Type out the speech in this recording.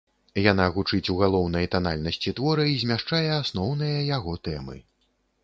Яна гучыць у галоўнай танальнасці твора і змяшчае асноўныя яго тэмы.